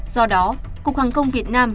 do đó cục hàng công việt nam